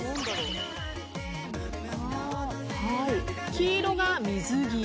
黄色が「水着」